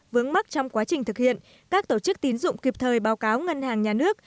vướng mắt trong quá trình thực hiện các tổ chức tín dụng kịp thời báo cáo ngân hàng nhà nước